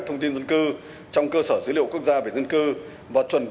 thưởng chú tạm chú